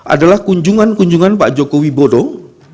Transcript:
adalah kunjungan kunjungan pak jokowi bodong